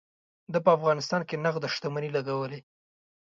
ده په افغانستان کې نغده شتمني لګولې.